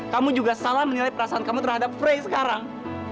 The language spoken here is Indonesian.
kamu juga salah menilai perasaan kamu terhadap frey sekarang